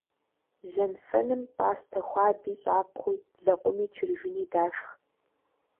Жьэнфэным пӀастэ хуаби, щӀакхъуи, лэкъуми, чыржыни дашх.